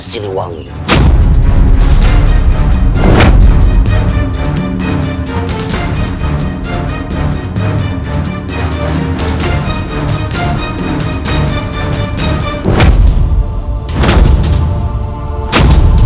siliwangi sebentar lagi